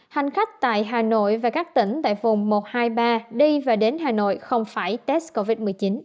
hành khách tại hà nội và các tỉnh tại vùng một trăm hai mươi ba đi và đến hà nội không phải test covid một mươi chín